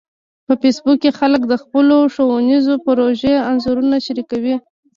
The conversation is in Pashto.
په فېسبوک کې خلک د خپلو ښوونیزو پروژو انځورونه شریکوي